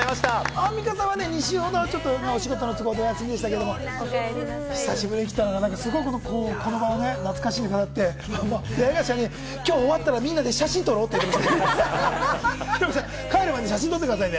アンミカさんは２週ほどお休みでしたけれども、久しぶりに来たらすごい、このね、この場、懐かしんでくださって、出合い頭に今日終わったら、みんなで写真撮ろうって言ってました。